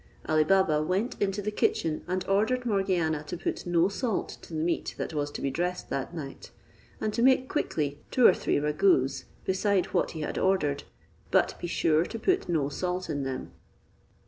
Ali Baba went into the kitchen, and ordered Morgiana to put no salt to the meat that was to be dressed that night; and to make quickly two or three ragouts besides what he had ordered, but be sure to put no salt in them.